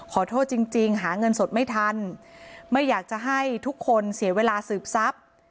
ขอโทษจริงจริงหาเงินสดไม่ทันไม่อยากจะให้ทุกคนเสียเวลาสืบทรัพย์